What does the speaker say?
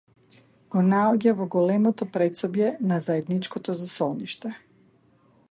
Го наоѓа во големото претсобје на заедничкото засолниште.